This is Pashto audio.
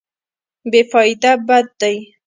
بې فایده بد دی.